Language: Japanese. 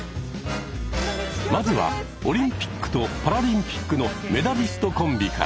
まずはオリンピックとパラリンピックのメダリストコンビから。